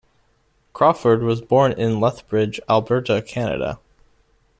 Crawford was born in Lethbridge, Alberta, Canada.